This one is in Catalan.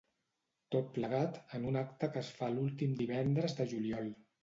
Tot plegat, en un acte que es fa l'últim divendres de juliol.